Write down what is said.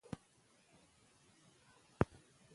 کرکټ خلک خوشحاله کوي.